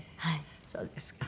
そうですか。